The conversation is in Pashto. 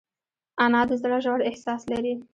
انا د زړه ژور احساس لري